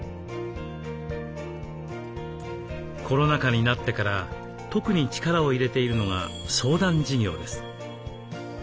コロナ禍になってから特に力を入れているのが相談事業です。